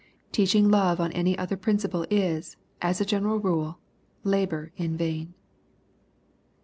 Teaching love on any other principle is, as a general rule, labor in vain.